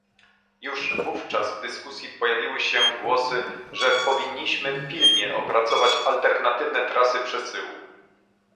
Już wówczas w dyskusji pojawiały się głosy, że powinniśmy pilnie opracować alternatywne trasy przesyłu